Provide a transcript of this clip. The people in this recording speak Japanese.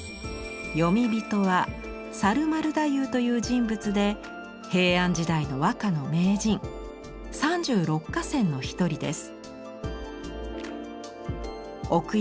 詠み人は猿丸太夫という人物で平安時代の和歌の名人三十六歌仙の一人です。